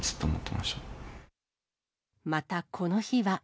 また、この日は。